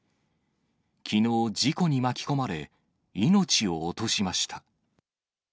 きのう、事故に巻き込まれ、命を落としました。